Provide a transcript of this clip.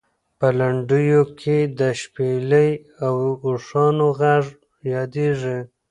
په لنډیو کې د شپېلۍ او اوښانو غږ یادېږي.